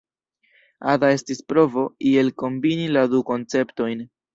Ada estis provo iel kombini la du konceptojn.